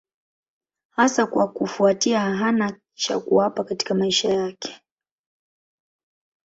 Hasa kwa kufuatia hana cha kuwapa katika maisha yake.